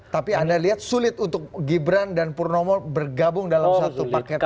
tapi anda lihat sulit untuk gibran dan purnomo bergabung dalam satu paket